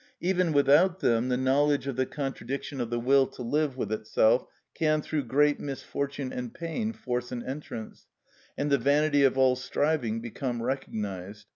Even without them the knowledge of the contradiction of the will to live with itself can, through great misfortune and pain, force an entrance, and the vanity of all striving become recognised.